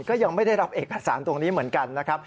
ก็ยังไม่ได้รับเอกสารตรงนี้เหมือนกันนะครับ